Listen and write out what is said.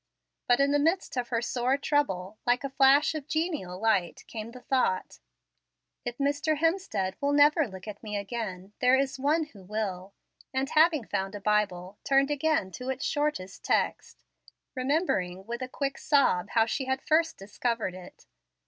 But in the midst of her sore trouble, like a flash of genial light came the thought, "If Mr. Hemstead will never look at me again, there is One who will"; and she sprang up, and, having found a Bible, turned again to its shortest text, remembering, with a quick sob, how she had first discovered it.